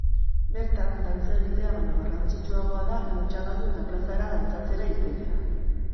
Bertan, dantza egitea baino garrantzitsuagoa da lotsa galdu eta plazara dantzatzera irtetea.